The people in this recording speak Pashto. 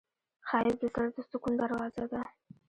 ښایست د زړه د سکون دروازه ده